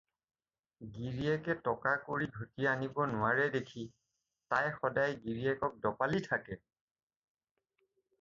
গিৰিয়েকে টকা-কড়ি ঘটি আনিব নোৱাৰে দেখি তাই সদায় গিৰিয়েকক দপালি থাকে।